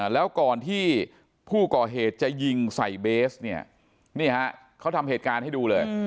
แล้วก่อนที่ผู้ก่อเหตุจะยิงใส่เบสเนี่ยนี่ฮะเขาทำเหตุการณ์ให้ดูเลย